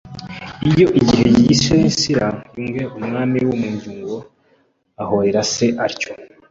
Iyo gihe yishe Nsira Nyeunga Umwami w’u unyaungo ahorera se atyo